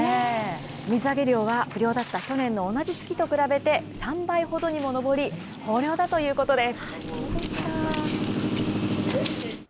水揚げ量は不漁だった去年の同じ月に比べて３倍ほどにも上り、豊漁だということです。